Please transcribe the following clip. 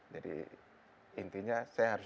jadi intinya saya harus